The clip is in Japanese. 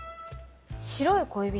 「白い恋人」。